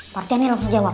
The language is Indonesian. partiannya langsung jawab